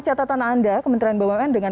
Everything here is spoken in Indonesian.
catatan anda kementerian bumn dengan